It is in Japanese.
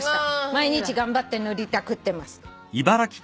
「毎日頑張って塗りたくってます」